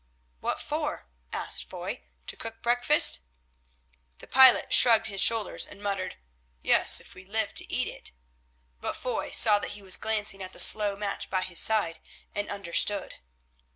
"What for," asked Foy, "to cook breakfast?" The pilot shrugged his shoulders and muttered, "Yes, if we live to eat it." But Foy saw that he was glancing at the slow match by his side, and understood.